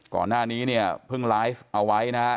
ก่อนหน้านี้เนี่ยเพิ่งไลฟ์เอาไว้นะฮะ